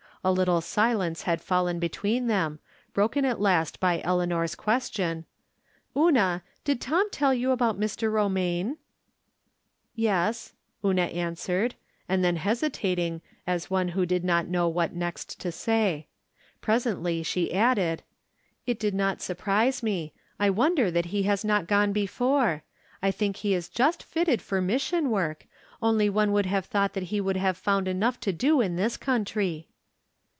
A little silence had fallen between them, broken at last by Eleanor's question :" Una, did Tom tell you about Mr. Romaine ?"" Yes," Una answered, and then hesitated, as one who did not know what next to say. Pres ently she added :" It did not surprise me ; I wonder that he has not gone before. I think he is just fitted for mission work, only one would have thought that he would have found enough to do in this country."